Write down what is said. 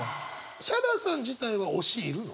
ヒャダさん自体は推しいるの？